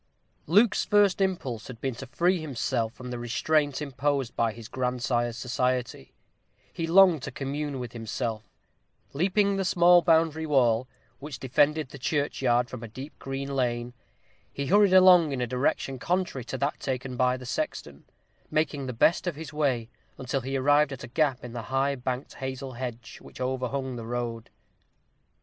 _ Luke's first impulse had been to free himself from the restraint imposed by his grandsire's society. He longed to commune with himself. Leaping the small boundary wall, which defended the churchyard from a deep green lane, he hurried along in a direction contrary to that taken by the sexton, making the best of his way until he arrived at a gap in the high banked hazel hedge which overhung the road.